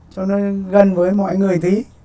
cho nó gần với mọi người thí